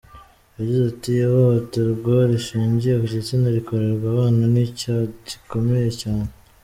Yagize ati″Ihohoterwa rishingiye ku gitsina rikorerwa abana ni icyaha gikomeye cyane.